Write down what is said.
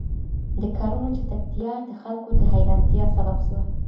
د کارونو چټکتیا د خلکو د حیرانتیا سبب سوه.